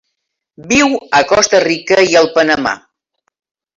Viu a Costa Rica i el Panamà.